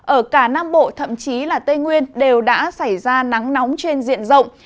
ở cả nam bộ thậm chí là tây nguyên đều đã xảy ra nắng nóng trên diện rộng